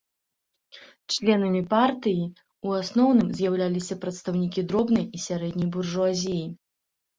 Членамі партыі ў асноўным з'яўляліся прадстаўнікі дробнай і сярэдняй буржуазіі.